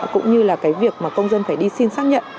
cũng như là cái việc mà công dân phải đi xin xác nhận